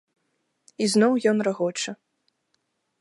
І зноў ён рагоча.